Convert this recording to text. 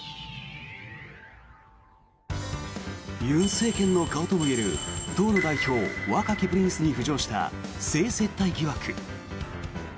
尹政権の顔ともいえる党の代表若きプリンスに浮上した性接待疑惑。